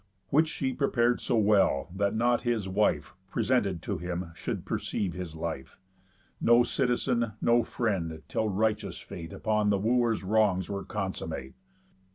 Which she prepar'd so well, that not his wife, Presented to him, should perceive his life, No citizen, no friend, till righteous fate Upon the Wooer's wrongs were consummate.